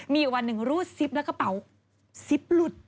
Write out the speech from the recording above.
มีอยู่วันหนึ่งรูดซิปแล้วกระเป๋าซิปหลุด